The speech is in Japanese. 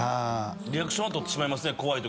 リアクション取ってしまいます。